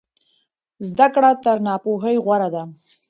زده کړه تر ناپوهۍ غوره ده.